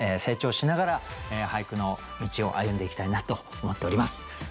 成長しながら俳句の道を歩んでいきたいなと思っております。